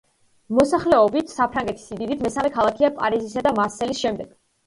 მოსახლეობით საფრანგეთის სიდიდით მესამე ქალაქია პარიზისა და მარსელის შემდეგ.